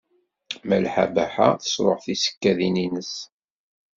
Malḥa Baḥa tesṛuḥ tisekkadin-nnes.